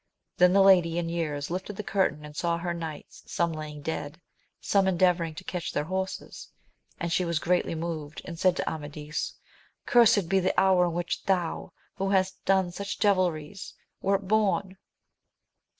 Then the lady in years lifted the curtain and saw her knights, some laying dead, some endeavouring to catch their horses, and she was greatly moved, and said to Amadis, Cursed be the hour in which thou, who hast done such devilries, wert bom !